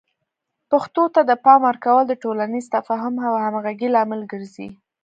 پښتو ته د پام ورکول د ټولنیز تفاهم او همغږۍ لامل ګرځي.